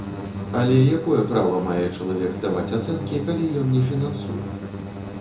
Але якое права мае чалавек даваць ацэнкі, калі ён не фінансуе?